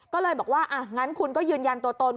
ก็เลยบอกว่าอ่ะงั้นคุณก็ยืนยันตัวตน